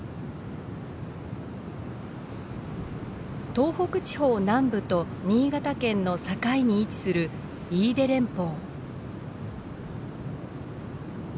東北地方南部と新潟県の境に位置する飯豊連峰。